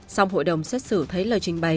xong hội đồng xét xử thấy lời trình bày